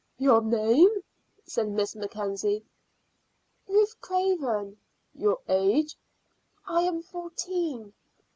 "Your name?" said Miss Mackenzie. "Ruth Craven." "Your age?" "I am fourteen."